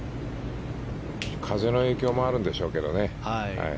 風の影響もあるんでしょうけどね。